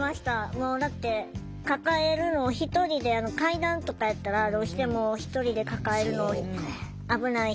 もうだって抱えるの１人で階段とかやったらどうしても１人で抱えるの危ないし。